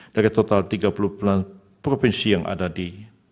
dari total tiga puluh sembilan provinsi yang ada di